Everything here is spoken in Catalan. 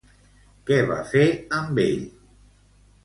Què va fer amb ell?